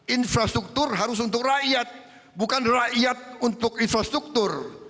infrastruktur harus untuk rakyat bukan rakyat untuk infrastruktur